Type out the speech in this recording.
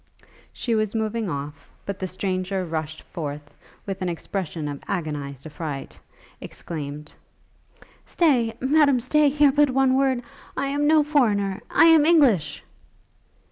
She was moving off; but the stranger rushed forth, and with an expression of agonized affright, exclaimed, 'Stay! Madam, stay! hear but one word! I am no foreigner, I am English!'